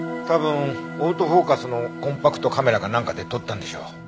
多分オートフォーカスのコンパクトカメラかなんかで撮ったんでしょう。